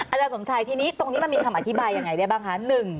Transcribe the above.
อาจารย์สมชัยทีนี้ตรงนี้มันมีคำอธิบายยังไงได้บ้างคะ